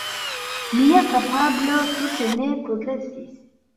Mia kapablo tute ne progresis